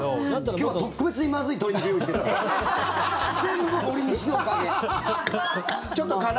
今日は特別にまずい鶏肉用意してるから。